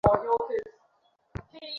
আর চিরকাল সগুণ-ঈশ্বরবাদের ইহাই একটি দুর্বলতা।